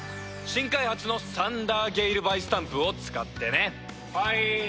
新開発のサンダーゲイルバイスタンプを使ってね